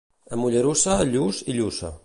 A Mollerussa, lluç i lluça.